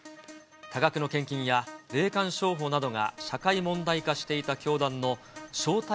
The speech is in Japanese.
多額の献金や、霊感商法などが社会問題化していた教団の正体